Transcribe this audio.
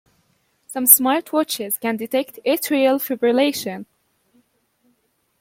Some smartwatches can detect atrial fibrillation.